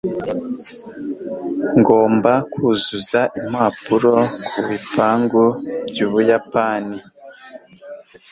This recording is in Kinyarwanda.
Ngomba kuzuza impapuro ku bukungu bw'Ubuyapani.